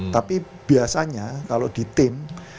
tapi biasanya kalau di tim